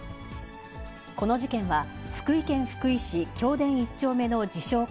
この事件は、福井県福井市経田１丁目の自称